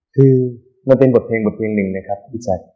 คือมันเป็นบทเพลงบทเพลงหนึ่งนะครับพี่แจ๊ค